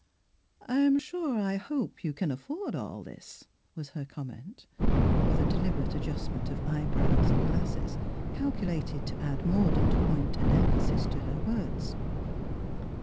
"I am sure ^ hope you can afford all this," was her comment, with a de liberate adjustment of eyebrows and glasses calculated to add mordant point and emphasis to her words.